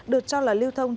được cho là liêu thông